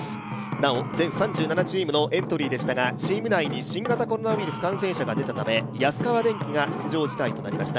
なお、全３２チームのエントリーでしたがチーム内に新型コロナウイルス感染者が出たため、安川電機が出場辞退となりました。